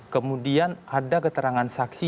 kemudian ada keterangan saksi